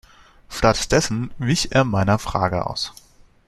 Stattdessen wich er meiner Frage aus.